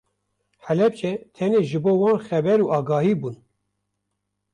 Helepçe tenê ji bo wan xeber û agahî bûn.